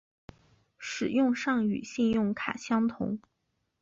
使用上与信用卡相同。